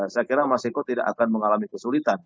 saya kira mas eko tidak akan mengalami kesulitan